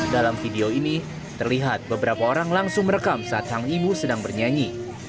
dalam video ini terlihat beberapa orang langsung merekam saat sang ibu sedang bernyanyi